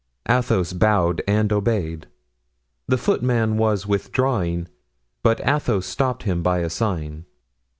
Athos bowed and obeyed. The footman was withdrawing, but Athos stopped him by a sign.